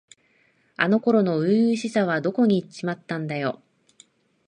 あの頃の初々しさはどこにいっちまったんだよ。